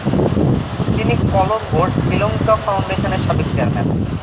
তিনি কলম্বোর শ্রীলঙ্কা ফাউন্ডেশনের সাবেক চেয়ারম্যান।